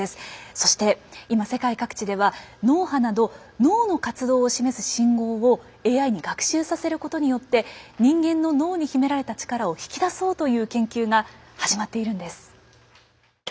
そして今世界各地では脳波など脳の活動を示す信号をＡＩに学習させることによって人間の脳に秘められた力を引き出そうという研究が始まっているんです。